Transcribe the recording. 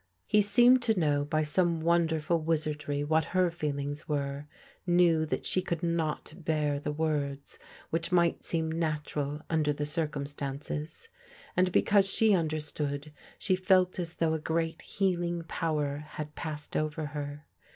He seemed to know by some wonder ful wizardry what her feelings were : knew that she could not bear the words which might seem natural under the circumstances. And because she understood she felt as though a great healing power had passed over her.